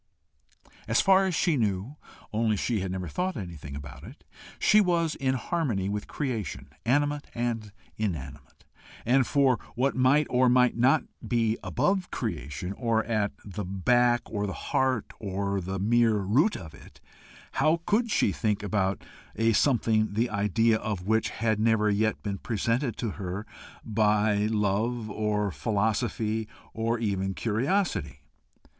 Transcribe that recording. As far as she knew only she had never thought anything about it she was in harmony with creation animate and inanimate, and for what might or might not be above creation, or at the back, or the heart, or the mere root of it, how could she think about a something the idea of which had never yet been presented to her by love or philosophy, or even curiosity?